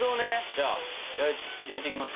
じゃあ焼いていきますか。